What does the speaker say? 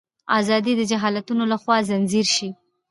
ازادي د جهالتونو لخوا ځنځیر شي.